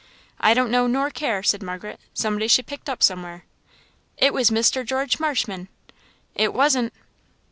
"I don't know, nor care," said Margaret. "Somebody she picked up somewhere." "It was Mr. George Marshman!" "It wasn't."